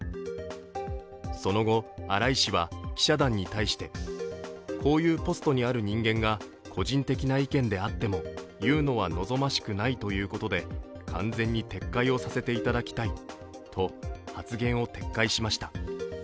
その後、荒井氏は記者団に対して、こういうポストにある人間が個人的な意見であっても言うのは望ましくないということで完全に撤回させていただきたいと発言を撤回しました。